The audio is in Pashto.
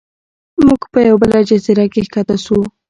موږ په یوه بله جزیره کې ښکته شو.